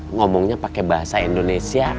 ngomongnya pakai bahasa inggris kan